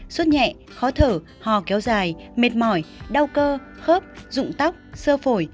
suốt nhẹ khó thở hò kéo dài mệt mỏi đau cơ khớp dụng tóc sơ phổi